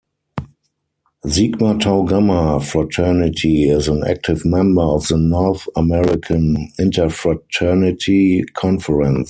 Sigma Tau Gamma Fraternity is an active member of the North-American Interfraternity Conference.